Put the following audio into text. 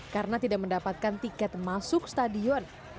karena tidak mendapatkan tiket masuk stadion